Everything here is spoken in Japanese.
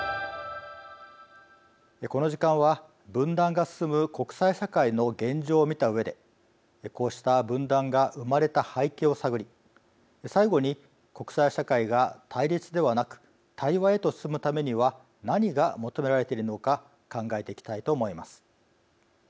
この時間は、分断が進む国際社会の現状を見たうえでこうした分断が生まれた背景を探り最後に、国際社会が対立ではなく対話へと進むためには何が求められているのか考えていきたいと思います。